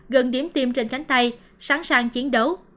gần điểm tiêm trên cánh tay sẵn sàng chiến đấu